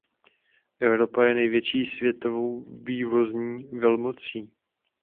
Evropa je největší světovou vývozní velmocí.